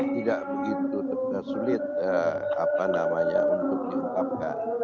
tidak begitu sulit untuk diungkapkan